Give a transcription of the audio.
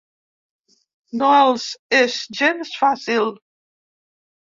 No els és gens fàcil.